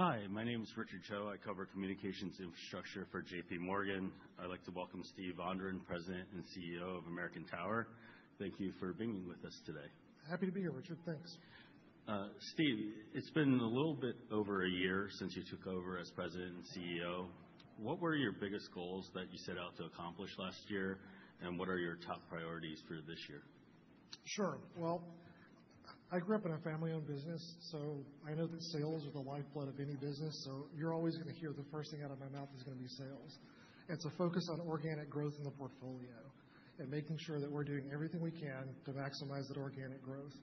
Hi, my name is Richard Cho. I cover communications infrastructure for JPMorgan. I'd like to welcome Steve Vondran, President and CEO of American Tower. Thank you for being with us today. Happy to be here, Richard. Thanks. Steve, it's been a little bit over a year since you took over as President and CEO. What were your biggest goals that you set out to accomplish last year, and what are your top priorities for this year? Sure. Well, I grew up in a family-owned business, so I know that sales are the lifeblood of any business. So you're always going to hear the first thing out of my mouth is going to be sales. It's a focus on organic growth in the portfolio and making sure that we're doing everything we can to maximize that organic growth.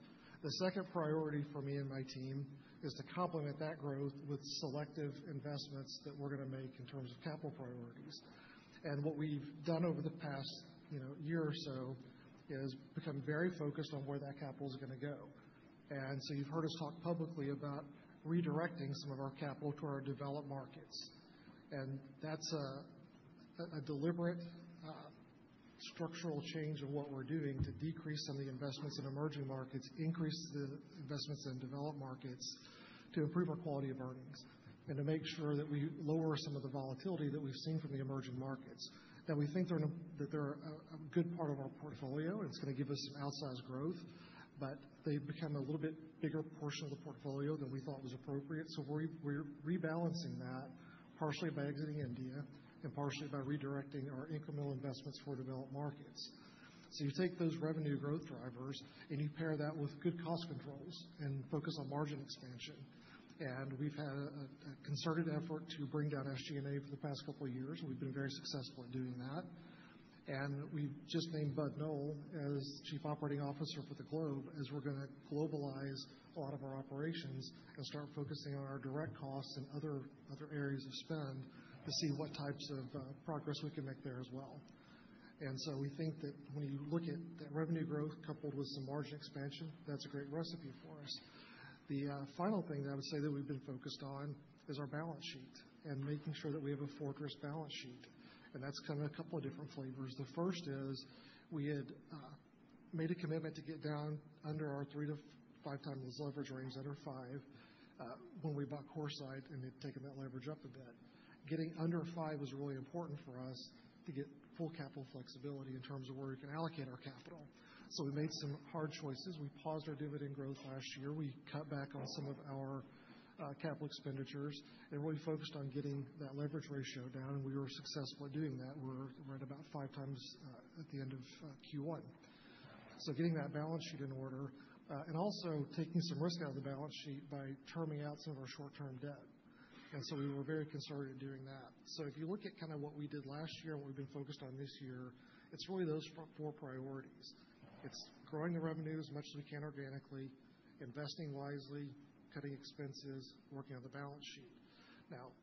The second priority for me and my team is to complement that growth with selective investments that we're going to make in terms of capital priorities. And what we've done over the past year or so is become very focused on where that capital is going to go. And so you've heard us talk publicly about redirecting some of our capital to our developed markets. And that's a deliberate structural change of what we're doing to decrease some of the investments in emerging markets, increase the investments in developed markets, to improve our quality of earnings, and to make sure that we lower some of the volatility that we've seen from the emerging markets. Now, we think they're a good part of our portfolio, and it's going to give us some outsized growth, but they've become a little bit bigger portion of the portfolio than we thought was appropriate. So we're rebalancing that partially by exiting India and partially by redirecting our incremental investments for developed markets. So you take those revenue growth drivers and you pair that with good cost controls and focus on margin expansion. And we've had a concerted effort to bring down SG&A for the past couple of years. We've been very successful at doing that. We just named Bud Noel as Chief Operating Officer for the globe as we're going to globalize a lot of our operations and start focusing on our direct costs and other areas of spend to see what types of progress we can make there as well. We think that when you look at that revenue growth coupled with some margin expansion, that's a great recipe for us. The final thing that I would say that we've been focused on is our balance sheet and making sure that we have a fortress balance sheet. That's come in a couple of different flavors. The first is we had made a commitment to get down under our 3x-5x leverage range under five when we bought CoreSite and had taken that leverage up a bit. Getting under five was really important for us to get full capital flexibility in terms of where we can allocate our capital. So we made some hard choices. We paused our dividend growth last year. We cut back on some of our capital expenditures and really focused on getting that leverage ratio down. And we were successful at doing that. We're at about 5x at the end of Q1. So getting that balance sheet in order and also taking some risk out of the balance sheet by terming out some of our short-term debt. And so we were very concerned at doing that. So if you look at kind of what we did last year and what we've been focused on this year, it's really those four priorities. It's growing the revenue as much as we can organically, investing wisely, cutting expenses, working on the balance sheet. Now,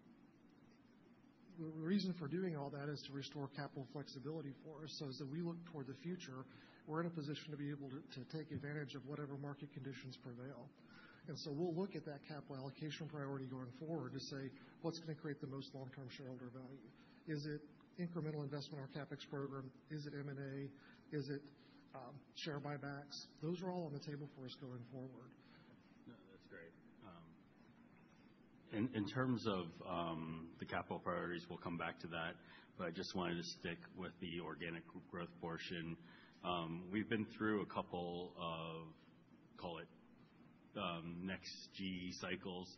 the reason for doing all that is to restore capital flexibility for us so that we look toward the future, we're in a position to be able to take advantage of whatever market conditions prevail, and so we'll look at that capital allocation priority going forward to say, what's going to create the most long-term shareholder value? Is it incremental investment in our CapEx program? Is it M&A? Is it share buybacks? Those are all on the table for us going forward. No, that's great. In terms of the capital priorities, we'll come back to that. But I just wanted to stick with the organic growth portion. We've been through a couple of, call it, next G cycles,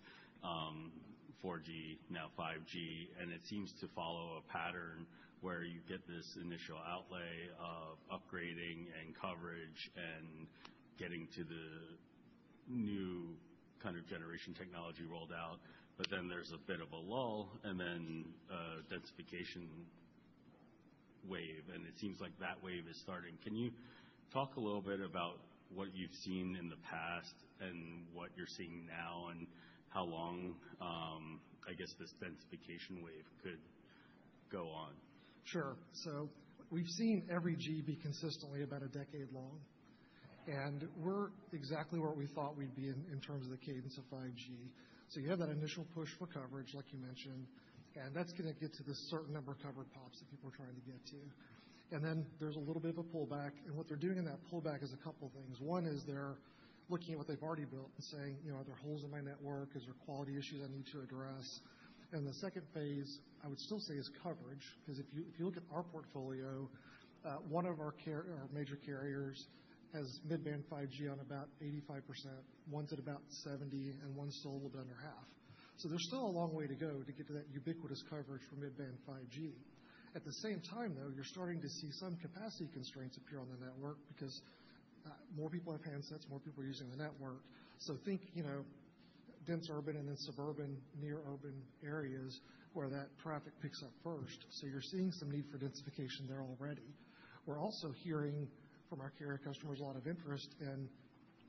4G, now 5G. And it seems to follow a pattern where you get this initial outlay of upgrading and coverage and getting to the new kind of generation technology rolled out. But then there's a bit of a lull and then a densification wave. And it seems like that wave is starting. Can you talk a little bit about what you've seen in the past and what you're seeing now and how long, I guess, this densification wave could go on? Sure. So we've seen every G be consistently about a decade long. And we're exactly where we thought we'd be in terms of the cadence of 5G. So you have that initial push for coverage, like you mentioned, and that's going to get to the certain number of covered POPs that people are trying to get to. And then there's a little bit of a pullback. And what they're doing in that pullback is a couple of things. One is they're looking at what they've already built and saying, are there holes in my network? Is there quality issues I need to address? And the second phase, I would still say, is coverage. Because if you look at our portfolio, one of our major carriers has mid-band 5G on about 85%, one's at about 70%, and one's still a little bit under half. There's still a long way to go to get to that ubiquitous coverage for mid-band 5G. At the same time, though, you're starting to see some capacity constraints appear on the network because more people have handsets, more people are using the network. Think dense urban and then suburban, near urban areas where that traffic picks up first. You're seeing some need for densification there already. We're also hearing from our carrier customers a lot of interest in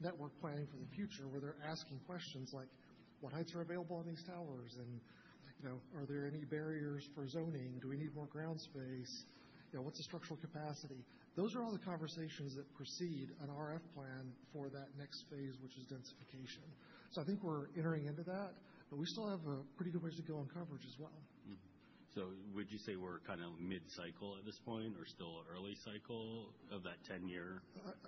network planning for the future where they're asking questions like, what heights are available on these towers? And are there any barriers for zoning? Do we need more ground space? What's the structural capacity? Those are all the conversations that precede an RF plan for that next phase, which is densification. So I think we're entering into that, but we still have a pretty good ways to go on coverage as well. Would you say we're kind of mid-cycle at this point or still early cycle of that 10-year?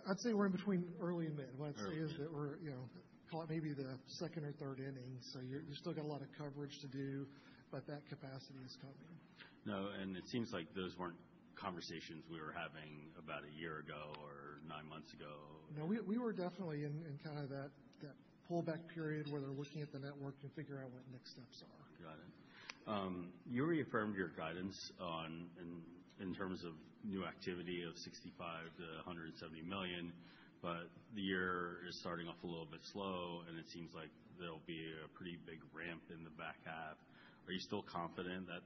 I'd say we're in between early and mid. I'd say that we're, call it maybe the second or third inning, so you've still got a lot of coverage to do, but that capacity is coming. No. And it seems like those weren't conversations we were having about a year ago or nine months ago. No, we were definitely in kind of that pullback period where they're looking at the network and figuring out what next steps are. Got it. You reaffirmed your guidance in terms of new activity of $65 million-$170 million, but the year is starting off a little bit slow, and it seems like there'll be a pretty big ramp in the back half. Are you still confident that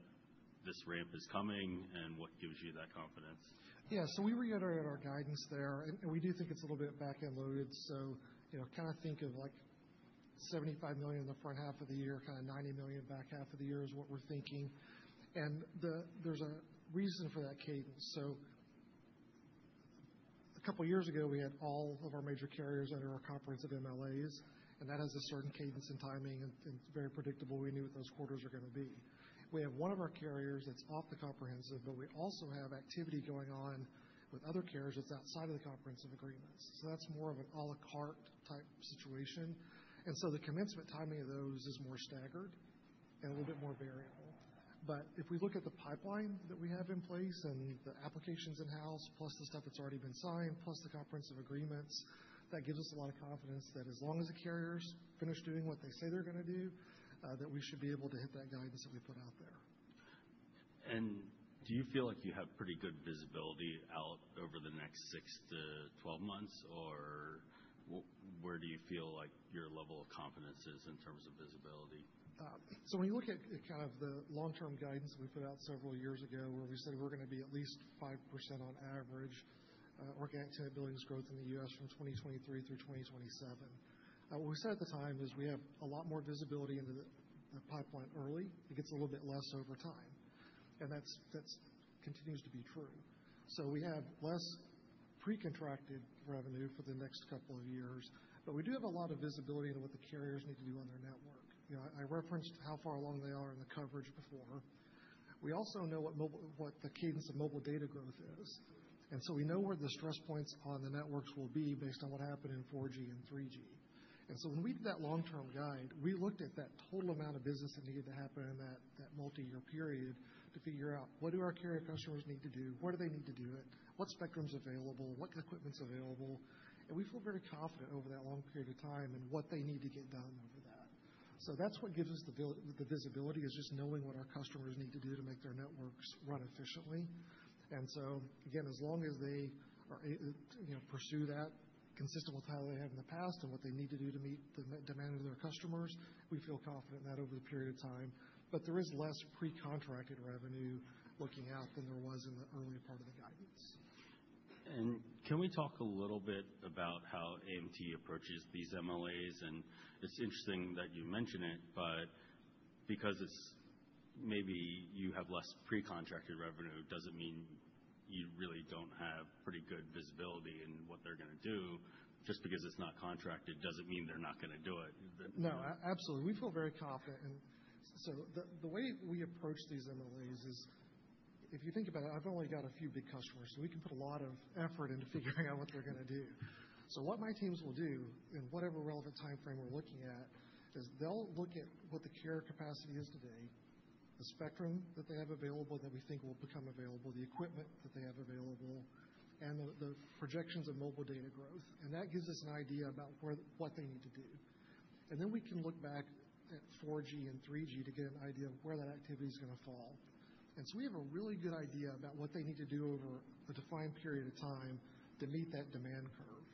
this ramp is coming? And what gives you that confidence? Yeah. So we reiterated our guidance there. And we do think it's a little bit back-end loaded. So kind of think of like $75 million in the front half of the year, kind of $90 million in the back half of the year is what we're thinking. And there's a reason for that cadence. So a couple of years ago, we had all of our major carriers under our comprehensive MLAs, and that has a certain cadence and timing and very predictable. We knew what those quarters are going to be. We have one of our carriers that's off the comprehensive, but we also have activity going on with other carriers that's outside of the comprehensive agreements. So that's more of an a la carte type situation. And so the commencement timing of those is more staggered and a little bit more variable. But if we look at the pipeline that we have in place and the applications in house, plus the stuff that's already been signed, plus the comprehensive agreements, that gives us a lot of confidence that as long as the carriers finish doing what they say they're going to do, that we should be able to hit that guidance that we put out there. Do you feel like you have pretty good visibility out over the next six to 12 months? Or where do you feel like your level of confidence is in terms of visibility? So when you look at kind of the long-term guidance that we put out several years ago where we said we're going to be at least 5% on average organic tenant billings growth in the U.S. from 2023 through 2027, what we said at the time is we have a lot more visibility into the pipeline early. It gets a little bit less over time. And that continues to be true. So we have less pre-contracted revenue for the next couple of years, but we do have a lot of visibility into what the carriers need to do on their network. I referenced how far along they are in the coverage before. We also know what the cadence of mobile data growth is. And so we know where the stress points on the networks will be based on what happened in 4G and 3G. And so when we did that long-term guide, we looked at that total amount of business that needed to happen in that multi-year period to figure out what do our carrier customers need to do, where do they need to do it, what spectrum's available, what equipment's available. And we feel very confident over that long period of time and what they need to get done over that. So that's what gives us the visibility is just knowing what our customers need to do to make their networks run efficiently. And so, again, as long as they pursue that consistent with how they have in the past and what they need to do to meet the demand of their customers, we feel confident in that over the period of time. But there is less pre-contracted revenue looking out than there was in the early part of the guidance. Can we talk a little bit about how AMT approaches these MLAs? It's interesting that you mention it, but because maybe you have less pre-contracted revenue, it doesn't mean you really don't have pretty good visibility in what they're going to do. Just because it's not contracted doesn't mean they're not going to do it. No, absolutely. We feel very confident. And so the way we approach these MLAs is if you think about it, I've only got a few big customers, so we can put a lot of effort into figuring out what they're going to do. So what my teams will do in whatever relevant timeframe we're looking at is they'll look at what the carrier capacity is today, the spectrum that they have available that we think will become available, the equipment that they have available, and the projections of mobile data growth. And that gives us an idea about what they need to do. And then we can look back at 4G and 3G to get an idea of where that activity is going to fall. And so we have a really good idea about what they need to do over a defined period of time to meet that demand curve.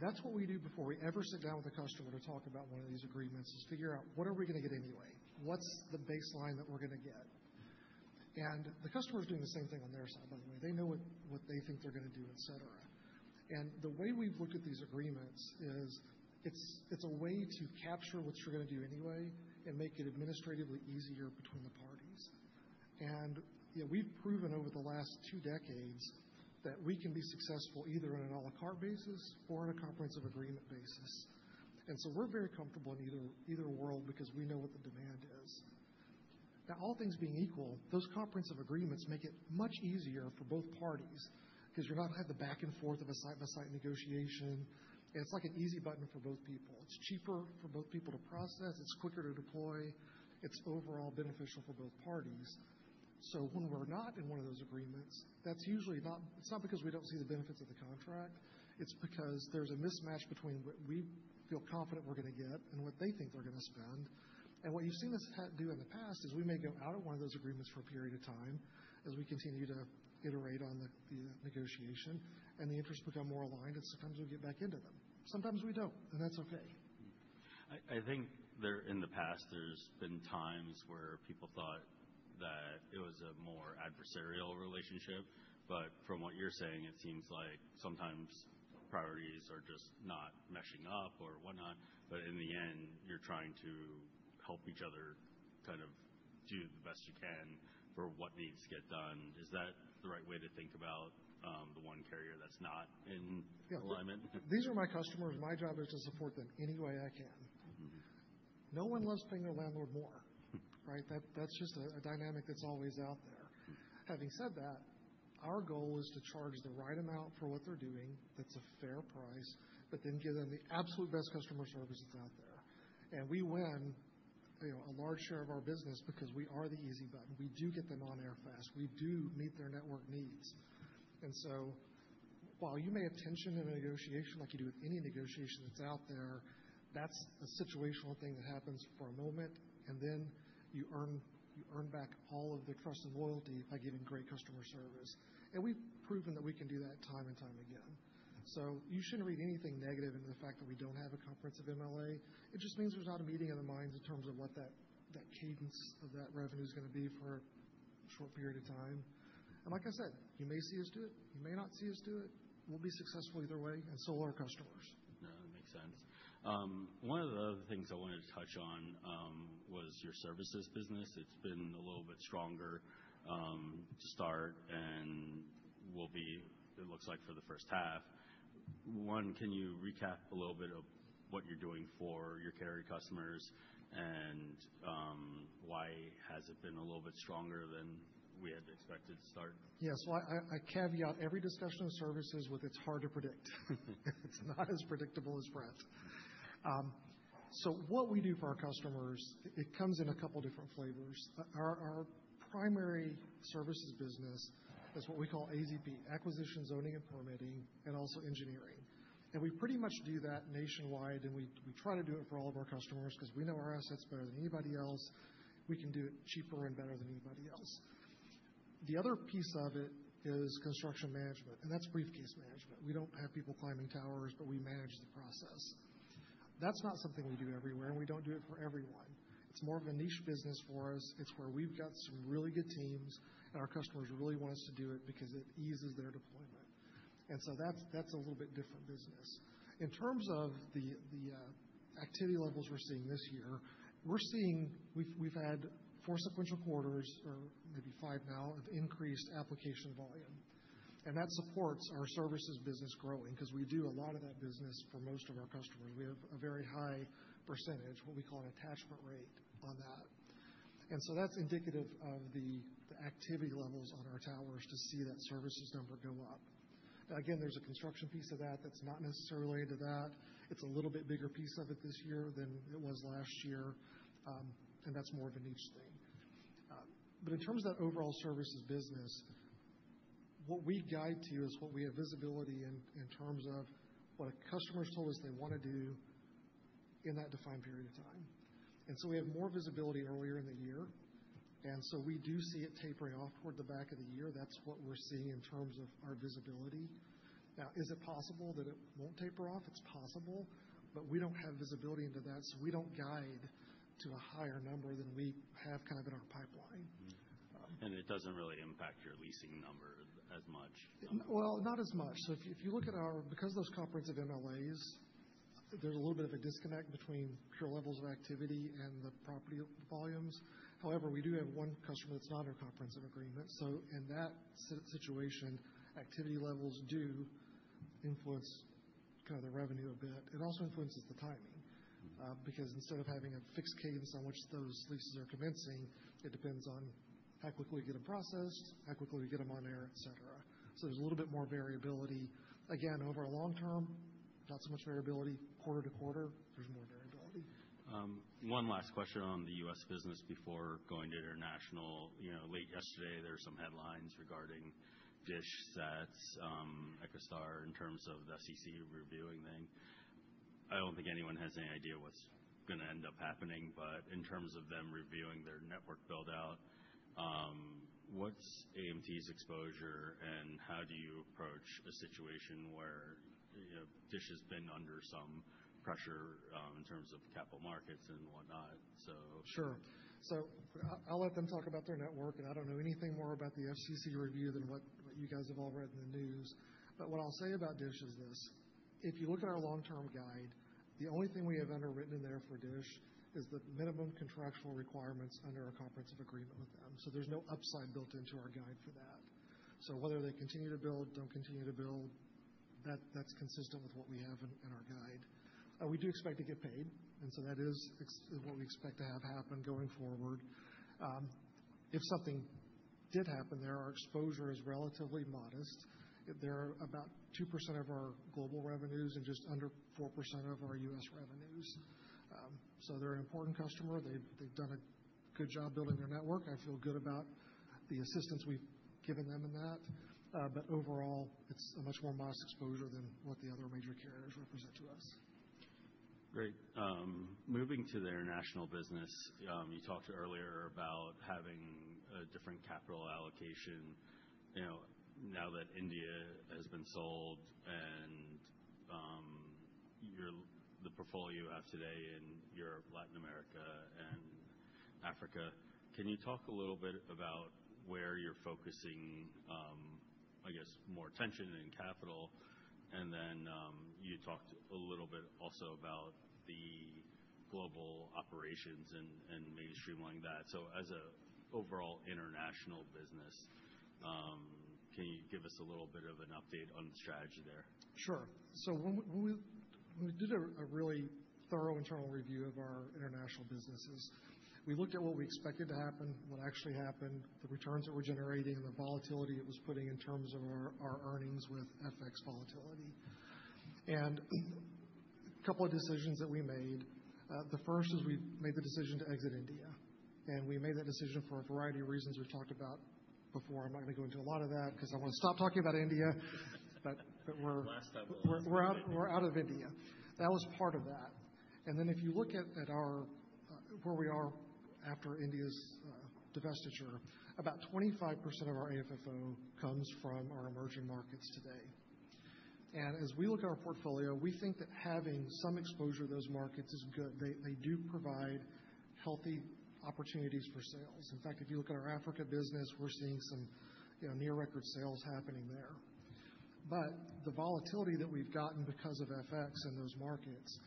That's what we do before we ever sit down with a customer to talk about one of these agreements is figure out what are we going to get anyway? What's the baseline that we're going to get? The customer is doing the same thing on their side, by the way. They know what they think they're going to do, etc. The way we've looked at these agreements is it's a way to capture what you're going to do anyway and make it administratively easier between the parties. We've proven over the last two decades that we can be successful either on an a la carte basis or on a comprehensive agreement basis. We're very comfortable in either world because we know what the demand is. Now, all things being equal, those comprehensive agreements make it much easier for both parties because you're not going to have the back and forth of a site-by-site negotiation. And it's like an easy button for both people. It's cheaper for both people to process. It's quicker to deploy. It's overall beneficial for both parties. So when we're not in one of those agreements, it's not because we don't see the benefits of the contract. It's because there's a mismatch between what we feel confident we're going to get and what they think they're going to spend. And what you've seen us do in the past is we may go out of one of those agreements for a period of time as we continue to iterate on the negotiation, and the interests become more aligned, and sometimes we get back into them. Sometimes we don't, and that's okay. I think in the past, there's been times where people thought that it was a more adversarial relationship. But from what you're saying, it seems like sometimes priorities are just not meshing up or whatnot. But in the end, you're trying to help each other kind of do the best you can for what needs to get done. Is that the right way to think about the one carrier that's not in alignment? These are my customers. My job is to support them any way I can. No one loves paying their landlord more, right? That's just a dynamic that's always out there. Having said that, our goal is to charge the right amount for what they're doing that's a fair price, but then give them the absolute best customer service that's out there, and we win a large share of our business because we are the easy button. We do get them on air fast. We do meet their network needs, and so while you may have tension in a negotiation like you do with any negotiation that's out there, that's a situational thing that happens for a moment, and then you earn back all of their trust and loyalty by giving great customer service, and we've proven that we can do that time and time again. So you shouldn't read anything negative into the fact that we don't have a comprehensive MLA. It just means there's not a meeting of the minds in terms of what that cadence of that revenue is going to be for a short period of time. And like I said, you may see us do it. You may not see us do it. We'll be successful either way and so will our customers. No, that makes sense. One of the other things I wanted to touch on was your services business. It's been a little bit stronger to start and will be, it looks like, for the first half. One, can you recap a little bit of what you're doing for your carrier customers and why has it been a little bit stronger than we had expected to start? Yes. Well, I caveat every discussion of services with, it's hard to predict. It's not as predictable as bread. So what we do for our customers, it comes in a couple of different flavors. Our primary services business is what we call AZP, acquisition, zoning, and permitting, and also engineering, and we pretty much do that nationwide, and we try to do it for all of our customers because we know our assets better than anybody else. We can do it cheaper and better than anybody else. The other piece of it is construction management, and that's briefcase management. We don't have people climbing towers, but we manage the process. That's not something we do everywhere, and we don't do it for everyone. It's more of a niche business for us. It's where we've got some really good teams, and our customers really want us to do it because it eases their deployment. And so that's a little bit different business. In terms of the activity levels we're seeing this year, we've had four sequential quarters or maybe five now of increased application volume. And that supports our services business growing because we do a lot of that business for most of our customers. We have a very high percentage, what we call an attachment rate on that. And so that's indicative of the activity levels on our towers to see that services number go up. Now, again, there's a construction piece of that that's not necessarily related to that. It's a little bit bigger piece of it this year than it was last year, and that's more of a niche thing. But in terms of that overall services business, what we guide to is what we have visibility in terms of what our customers told us they want to do in that defined period of time. And so we have more visibility earlier in the year. And so we do see it tapering off toward the back of the year. That's what we're seeing in terms of our visibility. Now, is it possible that it won't taper off? It's possible, but we don't have visibility into that, so we don't guide to a higher number than we have kind of in our pipeline. It doesn't really impact your leasing number as much. Well, not as much. So if you look at our, because those comprehensive MLAs, there's a little bit of a disconnect between pure levels of activity and the property volumes. However, we do have one customer that's not in a comprehensive agreement. So in that situation, activity levels do influence kind of the revenue a bit. It also influences the timing because instead of having a fixed cadence on which those leases are commencing, it depends on how quickly we get them processed, how quickly we get them on air, etc. So there's a little bit more variability. Again, over a long term, not so much variability. Quarter to quarter, there's more variability. One last question on the U.S. business before going to international. Late yesterday, there were some headlines regarding DISH, SATS, EchoStar in terms of the SEC reviewing thing. I don't think anyone has any idea what's going to end up happening. But in terms of them reviewing their network build-out, what's AMT's exposure, and how do you approach a situation where DISH has been under some pressure in terms of capital markets and whatnot? So. Sure. So I'll let them talk about their network, and I don't know anything more about the SEC review than what you guys have all read in the news. But what I'll say about DISH is this: if you look at our long-term guide, the only thing we have underwritten in there for DISH is the minimum contractual requirements under our comprehensive agreement with them. So there's no upside built into our guide for that. So whether they continue to build, don't continue to build, that's consistent with what we have in our guide. We do expect to get paid, and so that is what we expect to have happen going forward. If something did happen there, our exposure is relatively modest. They're about 2% of our global revenues and just under 4% of our U.S. revenues. So they're an important customer. They've done a good job building their network. I feel good about the assistance we've given them in that, but overall, it's a much more modest exposure than what the other major carriers represent to us. Great. Moving to their international business, you talked earlier about having a different capital allocation now that India has been sold and the portfolio you have today in Latin America and Africa. Can you talk a little bit about where you're focusing, I guess, more attention and capital? And then you talked a little bit also about the global operations and maybe streamlining that. So as an overall international business, can you give us a little bit of an update on the strategy there? Sure. So when we did a really thorough internal review of our international businesses, we looked at what we expected to happen, what actually happened, the returns that we're generating, and the volatility it was putting in terms of our earnings with FX volatility. And a couple of decisions that we made. The first is we made the decision to exit India. And we made that decision for a variety of reasons we've talked about before. I'm not going to go into a lot of that because I want to stop talking about India, but we're out of India. That was part of that. And then if you look at where we are after India's divestiture, about 25% of our AFFO comes from our emerging markets today. And as we look at our portfolio, we think that having some exposure to those markets is good. They do provide healthy opportunities for sales. In fact, if you look at our Africa business, we're seeing some near-record sales happening there. But the volatility that we've gotten because of FX and those markets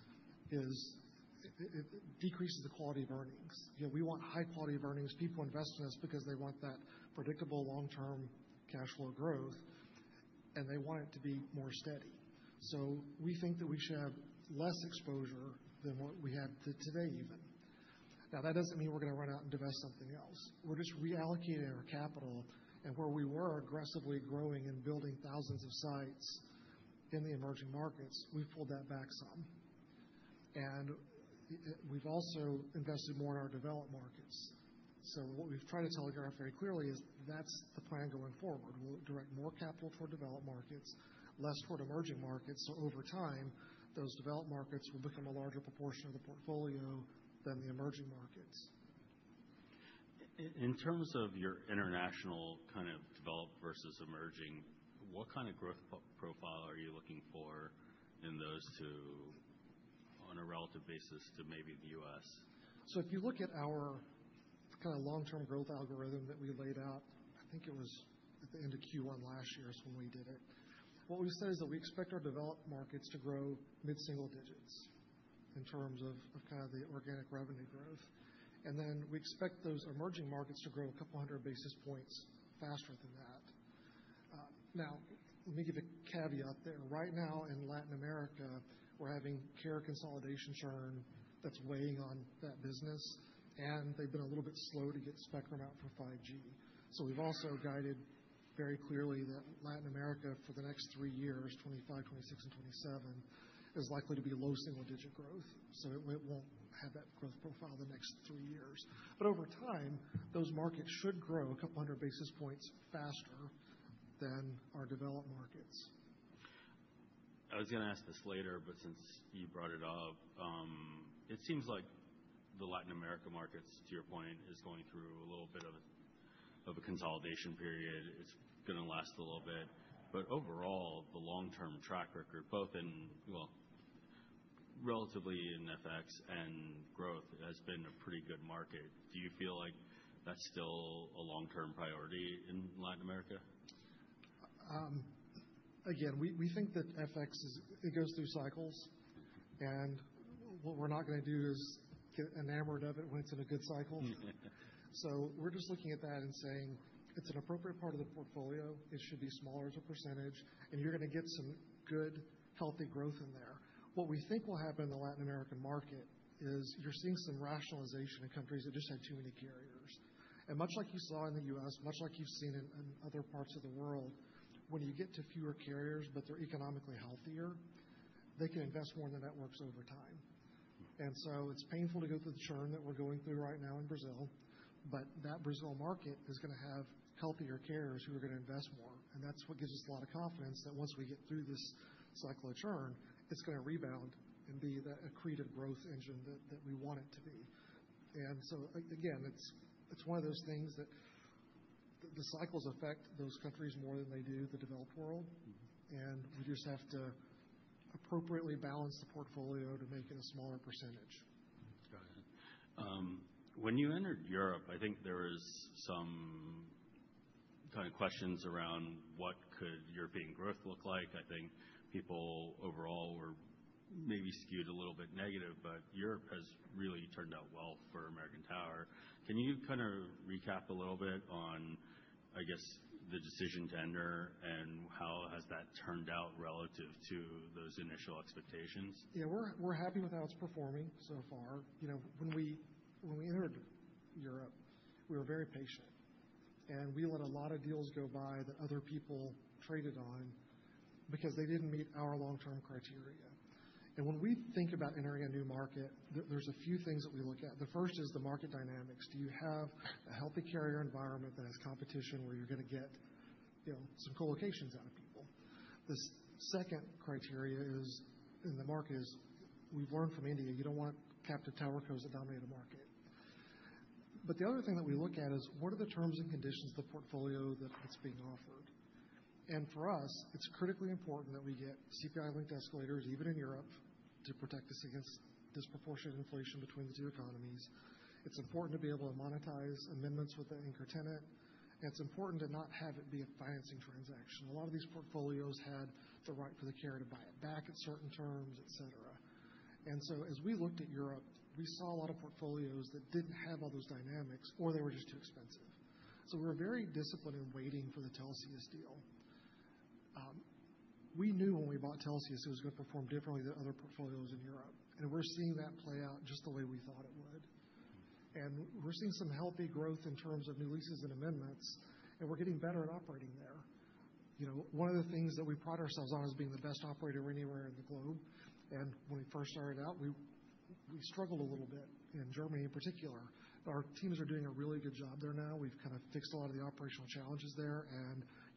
decreases the quality of earnings. We want high-quality of earnings. People invest in us because they want that predictable long-term cash flow growth, and they want it to be more steady. So we think that we should have less exposure than what we had today even. Now, that doesn't mean we're going to run out and divest something else. We're just reallocating our capital. And where we were aggressively growing and building thousands of sites in the emerging markets, we've pulled that back some. And we've also invested more in our developed markets. So what we've tried to telegraph very clearly is that's the plan going forward. We'll direct more capital toward developed markets, less toward emerging markets. So over time, those developed markets will become a larger proportion of the portfolio than the emerging markets. In terms of your international kind of developed versus emerging, what kind of growth profile are you looking for in those two on a relative basis to maybe the U.S.? So if you look at our kind of long-term growth algorithm that we laid out, I think it was at the end of Q1 last year is when we did it. What we said is that we expect our developed markets to grow mid-single digits in terms of kind of the organic revenue growth. And then we expect those emerging markets to grow a couple hundred basis points faster than that. Now, let me give a caveat there. Right now in Latin America, we're having carrier consolidation churn that's weighing on that business, and they've been a little bit slow to get spectrum out for 5G. So we've also guided very clearly that Latin America for the next three years, 2025, 2026, and 2027, is likely to be low single-digit growth. So it won't have that growth profile the next three years. But over time, those markets should grow a couple hundred basis points faster than our developed markets. I was going to ask this later, but since you brought it up, it seems like the Latin America markets, to your point, is going through a little bit of a consolidation period. It's going to last a little bit. But overall, the long-term track record, both in, well, relatively in FX and growth, has been a pretty good market. Do you feel like that's still a long-term priority in Latin America? Again, we think that FX, it goes through cycles. And what we're not going to do is get enamored of it when it's in a good cycle. So we're just looking at that and saying it's an appropriate part of the portfolio. It should be smaller as a percentage, and you're going to get some good, healthy growth in there. What we think will happen in the Latin American market is you're seeing some rationalization in countries that just had too many carriers. And much like you saw in the U.S., much like you've seen in other parts of the world, when you get to fewer carriers, but they're economically healthier, they can invest more in the networks over time. And so it's painful to go through the churn that we're going through right now in Brazil, but that Brazil market is going to have healthier carriers who are going to invest more. And that's what gives us a lot of confidence that once we get through this cycle of churn, it's going to rebound and be the accretive growth engine that we want it to be. And so again, it's one of those things that the cycles affect those countries more than they do the developed world. And we just have to appropriately balance the portfolio to make it a smaller percentage. Got it. When you entered Europe, I think there was some kind of questions around what could European growth look like. I think people overall were maybe skewed a little bit negative, but Europe has really turned out well for American Tower. Can you kind of recap a little bit on, I guess, the decision to enter and how has that turned out relative to those initial expectations? Yeah, we're happy with how it's performing so far. When we entered Europe, we were very patient, and we let a lot of deals go by that other people traded on because they didn't meet our long-term criteria, and when we think about entering a new market, there's a few things that we look at. The first is the market dynamics. Do you have a healthy carrier environment that has competition where you're going to get some co-locations out of people? The second criteria in the market is we've learned from India, you don't want captive towercos that dominate a market, but the other thing that we look at is what are the terms and conditions of the portfolio that's being offered? and for us, it's critically important that we get CPI-linked escalators, even in Europe, to protect us against disproportionate inflation between the two economies. It's important to be able to monetize amendments with the anchor tenant, and it's important to not have it be a financing transaction. A lot of these portfolios had the right for the carrier to buy it back at certain terms, etc., and so as we looked at Europe, we saw a lot of portfolios that didn't have all those dynamics, or they were just too expensive, so we were very disciplined in waiting for the Telxius deal. We knew when we bought Telxius it was going to perform differently than other portfolios in Europe, and we're seeing that play out just the way we thought it would, and we're seeing some healthy growth in terms of new leases and amendments, and we're getting better at operating there. One of the things that we pride ourselves on as being the best operator anywhere in the globe. When we first started out, we struggled a little bit in Germany in particular. Our teams are doing a really good job there now. We've kind of fixed a lot of the operational challenges there.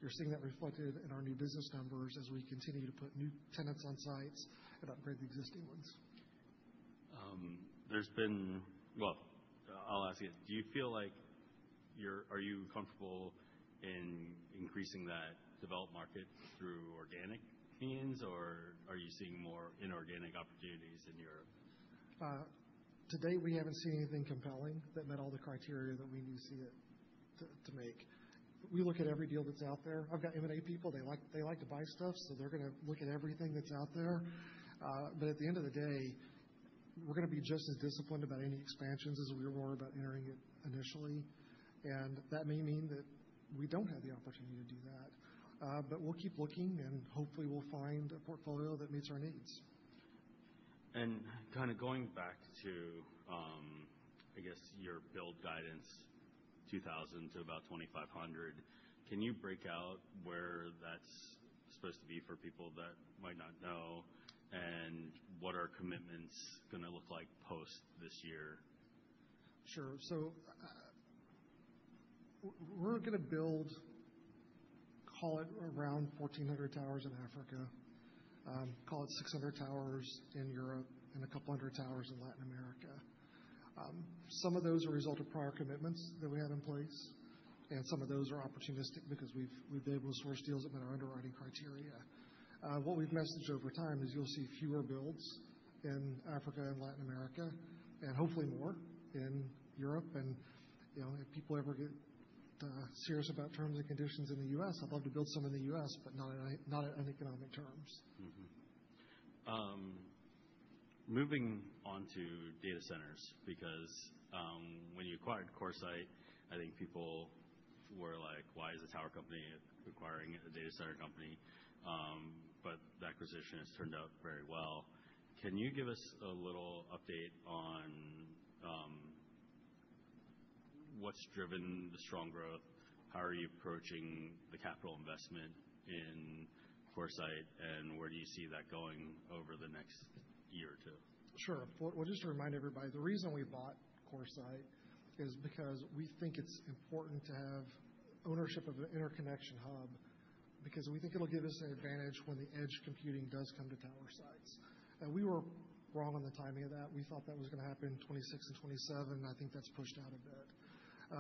You're seeing that reflected in our new business numbers as we continue to put new tenants on sites and upgrade the existing ones. I'll ask you, do you feel like you're comfortable in increasing that developed market through organic means, or are you seeing more inorganic opportunities in Europe? Today, we haven't seen anything compelling that met all the criteria that we need to see to make. We look at every deal that's out there. I've got M&A people. They like to buy stuff, so they're going to look at everything that's out there. But at the end of the day, we're going to be just as disciplined about any expansions as we were about entering it initially, and that may mean that we don't have the opportunity to do that, but we'll keep looking, and hopefully, we'll find a portfolio that meets our needs. Kind of going back to, I guess, your build guidance 2,000 to about 2,500, can you break out where that's supposed to be for people that might not know, and what are commitments going to look like post this year? Sure, so we're going to build, call it around 1,400 towers in Africa, call it 600 towers in Europe, and a couple hundred towers in Latin America. Some of those are a result of prior commitments that we have in place, and some of those are opportunistic because we've been able to source deals that met our underwriting criteria. What we've messaged over time is you'll see fewer builds in Africa and Latin America, and hopefully more in Europe, and if people ever get serious about terms and conditions in the U.S., I'd love to build some in the U.S., but not on economic terms. Moving on to data centers, because when you acquired CoreSite, I think people were like, why is a tower company acquiring a data center company? But that acquisition has turned out very well. Can you give us a little update on what's driven the strong growth? How are you approaching the capital investment in CoreSite, and where do you see that going over the next year or two? Sure. Well, just to remind everybody, the reason we bought CoreSite is because we think it's important to have ownership of an interconnection hub because we think it'll give us an advantage when the edge computing does come to tower sites. And we were wrong on the timing of that. We thought that was going to happen 2026 and 2027. I think that's pushed out a bit.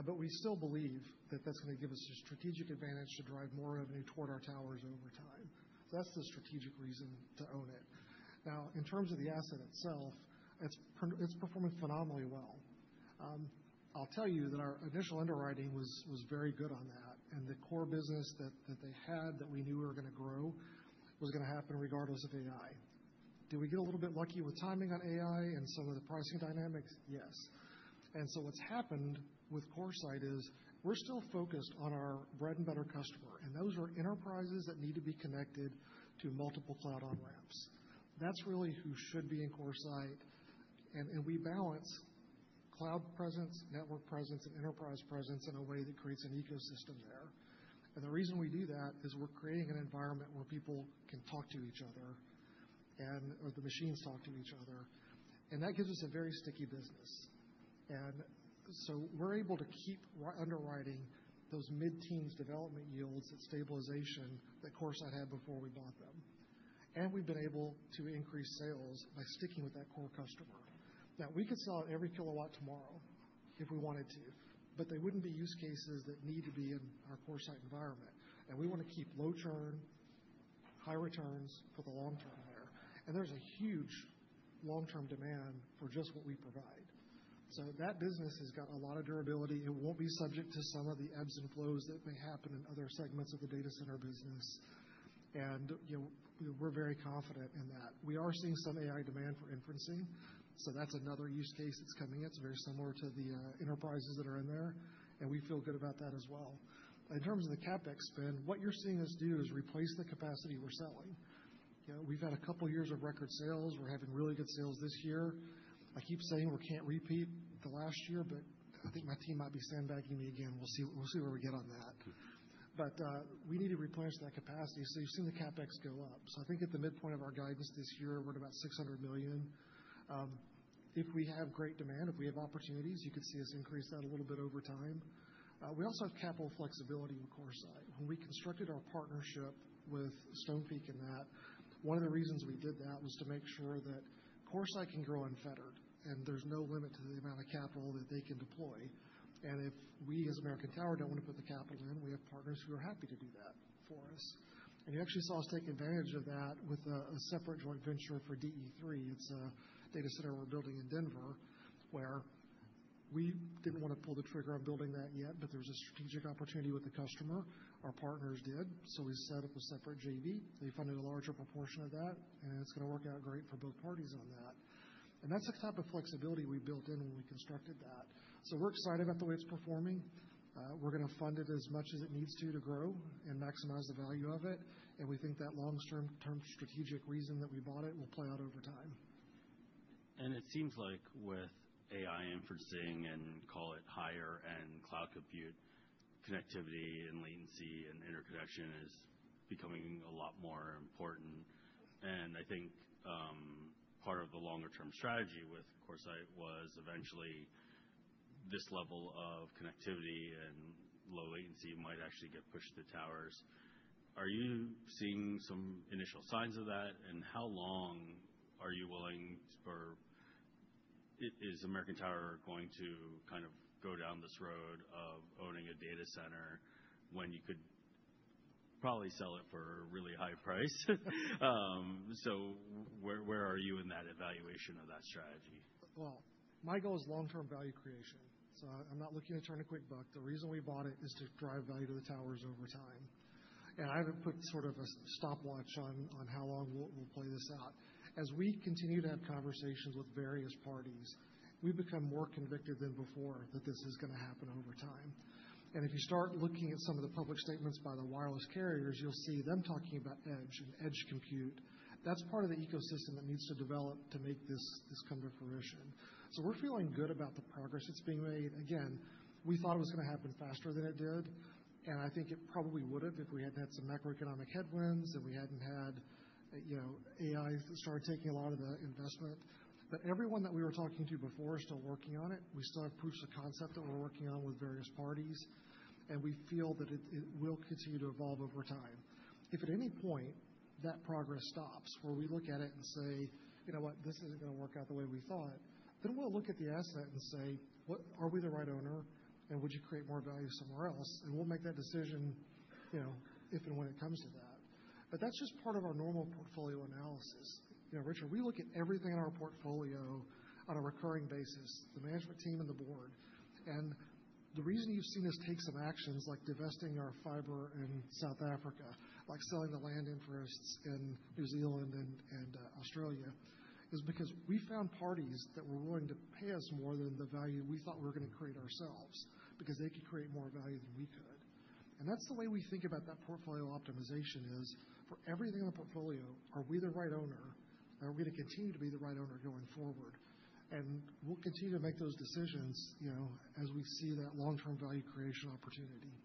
But we still believe that that's going to give us a strategic advantage to drive more revenue toward our towers over time. So that's the strategic reason to own it. Now, in terms of the asset itself, it's performing phenomenally well. I'll tell you that our initial underwriting was very good on that. And the core business that they had that we knew we were going to grow was going to happen regardless of AI. Did we get a little bit lucky with timing on AI and some of the pricing dynamics? Yes. And so what's happened with CoreSite is we're still focused on our bread and butter customer. And those are enterprises that need to be connected to multiple cloud on-ramps. That's really who should be in CoreSite. And we balance cloud presence, network presence, and enterprise presence in a way that creates an ecosystem there. And the reason we do that is we're creating an environment where people can talk to each other and the machines talk to each other. And that gives us a very sticky business. And so we're able to keep underwriting those mid-teens development yields at stabilization that CoreSite had before we bought them. And we've been able to increase sales by sticking with that core customer. Now, we could sell out every kilowatt tomorrow if we wanted to, but they wouldn't be use cases that need to be in our CoreSite environment. And we want to keep low churn, high returns for the long term there. And there's a huge long-term demand for just what we provide. So that business has got a lot of durability. It won't be subject to some of the ebbs and flows that may happen in other segments of the data center business. And we're very confident in that. We are seeing some AI demand for inferencing. So that's another use case that's coming in. It's very similar to the enterprises that are in there. And we feel good about that as well. In terms of the CapEx spend, what you're seeing us do is replace the capacity we're selling. We've had a couple of years of record sales. We're having really good sales this year. I keep saying we can't repeat the last year, but I think my team might be sandbagging me again. We'll see where we get on that. But we need to replenish that capacity. So you've seen the CapEx go up. So I think at the midpoint of our guidance this year, we're at about $600 million. If we have great demand, if we have opportunities, you could see us increase that a little bit over time. We also have capital flexibility with CoreSite. When we constructed our partnership with Stonepeak in that, one of the reasons we did that was to make sure that CoreSite can grow unfettered, and there's no limit to the amount of capital that they can deploy. And if we as American Tower don't want to put the capital in, we have partners who are happy to do that for us. And you actually saw us take advantage of that with a separate joint venture for DE3. It's a data center we're building in Denver where we didn't want to pull the trigger on building that yet, but there was a strategic opportunity with the customer. Our partners did. So we set up a separate JV. They funded a larger proportion of that, and it's going to work out great for both parties on that. And that's the type of flexibility we built in when we constructed that. So we're excited about the way it's performing. We're going to fund it as much as it needs to grow and maximize the value of it. We think that long-term strategic reason that we bought it will play out over time. And it seems like with AI inferencing and call it higher-end cloud compute connectivity and latency and interconnection is becoming a lot more important. And I think part of the longer-term strategy with CoreSite was eventually this level of connectivity and low latency might actually get pushed to towers. Are you seeing some initial signs of that? And how long are you willing, or is American Tower going to kind of go down this road of owning a data center when you could probably sell it for a really high price? So where are you in that evaluation of that strategy? My goal is long-term value creation. So I'm not looking to turn a quick buck. The reason we bought it is to drive value to the towers over time. And I haven't put sort of a stopwatch on how long we'll play this out. As we continue to have conversations with various parties, we've become more convicted than before that this is going to happen over time. And if you start looking at some of the public statements by the wireless carriers, you'll see them talking about edge and edge compute. That's part of the ecosystem that needs to develop to make this come to fruition. So we're feeling good about the progress that's being made. Again, we thought it was going to happen faster than it did. I think it probably would have if we hadn't had some macroeconomic headwinds and we hadn't had AI start taking a lot of the investment. But everyone that we were talking to before is still working on it. We still have proofs-of-concept that we're working on with various parties. And we feel that it will continue to evolve over time. If at any point that progress stops where we look at it and say, you know what, this isn't going to work out the way we thought, then we'll look at the asset and say, are we the right owner? And would it create more value somewhere else? And we'll make that decision if and when it comes to that. But that's just part of our normal portfolio analysis. Richard, we look at everything in our portfolio on a recurring basis, the management team and the board. The reason you've seen us take some actions like divesting our fiber in South Africa, like selling the land interests in New Zealand and Australia, is because we found parties that were willing to pay us more than the value we thought we were going to create ourselves because they could create more value than we could. That's the way we think about that portfolio optimization is for everything in the portfolio, are we the right owner? Are we going to continue to be the right owner going forward? We'll continue to make those decisions as we see that long-term value creation opportunity.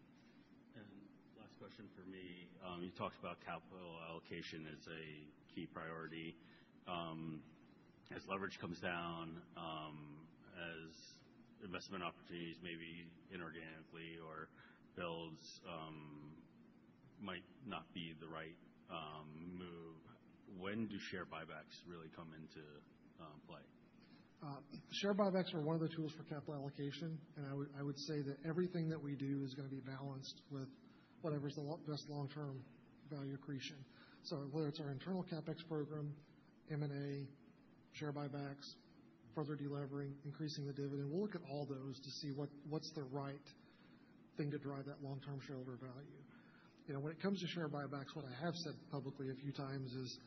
And last question for me. You talked about capital allocation as a key priority. As leverage comes down, as investment opportunities may be inorganically or builds might not be the right move, when do share buybacks really come into play? Share buybacks are one of the tools for capital allocation, and I would say that everything that we do is going to be balanced with whatever's the best long-term value accretion, so whether it's our internal CapEx program, M&A, share buybacks, further deleveraging, increasing the dividend, we'll look at all those to see what's the right thing to drive that long-term shareholder value. When it comes to share buybacks, what I have said publicly a few times is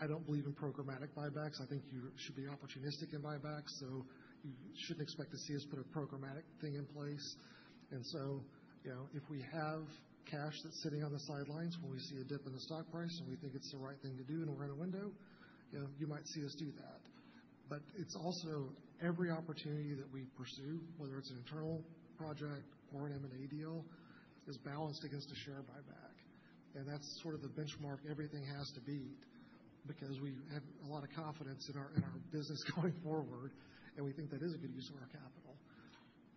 I don't believe in programmatic buybacks. I think you should be opportunistic in buybacks, so you shouldn't expect to see us put a programmatic thing in place, and so if we have cash that's sitting on the sidelines when we see a dip in the stock price and we think it's the right thing to do and we're in a window, you might see us do that. It's also every opportunity that we pursue, whether it's an internal project or an M&A deal, is balanced against a share buyback. That's sort of the benchmark everything has to beat because we have a lot of confidence in our business going forward. We think that is a good use of our capital.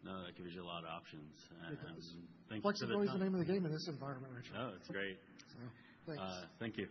No, that gives you a lot of options. It does. Thank you so much. Flexibility is the name of the game in this environment, Richard. Oh, it's great. So thanks. Thank you.